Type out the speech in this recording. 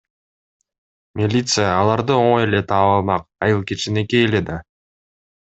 Милиция аларды оңой эле таап алмак, айыл кичинекей эле да.